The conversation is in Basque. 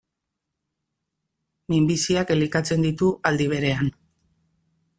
Minbiziak elikatzen ditu, aldi berean.